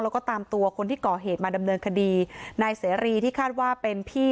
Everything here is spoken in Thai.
แล้วก็ตามตัวคนที่ก่อเหตุมาดำเนินคดีนายเสรีที่คาดว่าเป็นพี่